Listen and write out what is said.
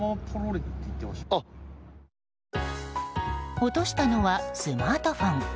落としたのはスマートフォン。